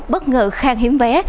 bất ngờ khang hiếm vé